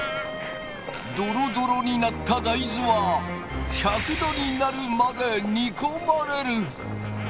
ドロドロになった大豆は１００℃になるまで煮込まれる。